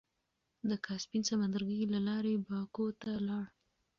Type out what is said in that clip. د کاسپين سمندرګي له لارې باکو ته لاړ.